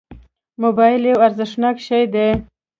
موبایل یو ارزښتناک شی دی.